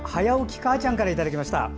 母ちゃんからいただきました。